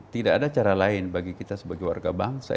tidak ada cara lain bagi kita sebagai warga bangsa